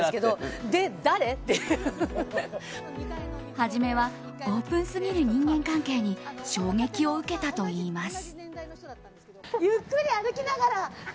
はじめはオープンすぎる人間関係に衝撃を受けたといいます。